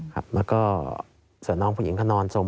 แล้วก็ส่วนน้องผู้หญิงก็นอนซม